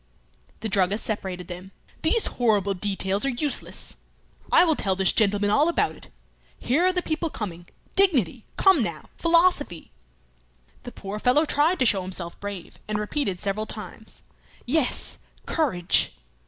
The druggist separated them. "These horrible details are useless. I will tell this gentleman all about it. Here are the people coming. Dignity! Come now! Philosophy!" The poor fellow tried to show himself brave, and repeated several times. "Yes! courage!"